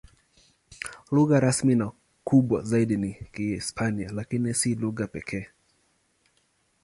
Lugha rasmi na kubwa zaidi ni Kihispania, lakini si lugha pekee.